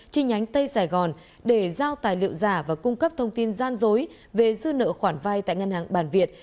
chi nhánh tây sài gòn để giao tài liệu giả và cung cấp thông tin gian dối về dư nợ khoản vay tại ngân hàng bản việt